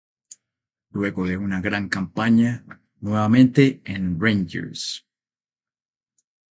Luego de una gran campaña nuevamente en Rangers.